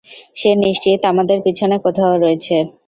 সে নিশ্চিত আমাদের পেছনে কোথাও রয়েছে।